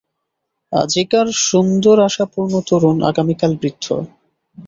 আজিকার সুন্দর আশাপূর্ণ তরুণ আগামীকাল বৃদ্ধ।